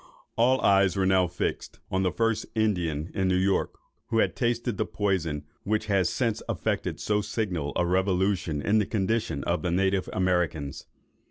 All eyes were now fixed (on the first Indian in New York who had tasted the poison which has since affected so signal a revolution in the condition of the native Americans).